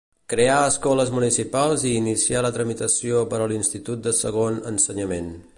Creà escoles municipals i inicià la tramitació per a l'institut de segon ensenyament.